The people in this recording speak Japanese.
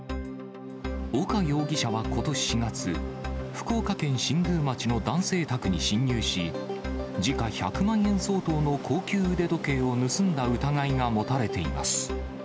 丘容疑者はことし４月、福岡県新宮町の男性宅に侵入し、時価１００万円相当の高級腕時計を盗んだ疑いが持たれています。